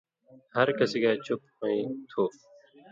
ہر کسی گائ ڇھپ ہُوئ تُھو،